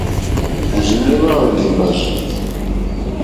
Òrzìɲɛ́ hwá àndè mbàrzì.